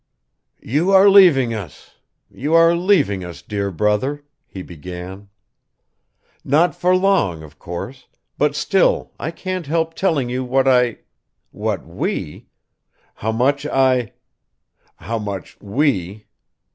"You are leaving us ... you are leaving us, dear brother," he began, "not for long, of course; but still I can't help telling you what I ... what we ... how much I ... how much we